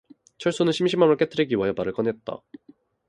철수는 심심함을 깨뜨리기 위하여 말을 꺼내었다.